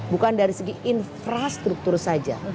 bukan dari segi infrastruktur saja